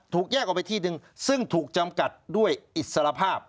แยกออกไปที่หนึ่งซึ่งถูกจำกัดด้วยอิสรภาพ